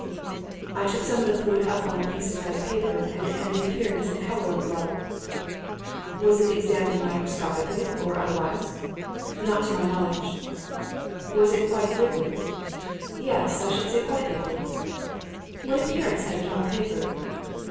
"I took some of the fluid up on a piece of white paper, and it had the appearance and colour of blood." "Was it examined microscopically or otherwise?" "Not to my knowledge." "Was it quite liquid?" "Yes, I should say quite liquid." "What appearance had it on paper?"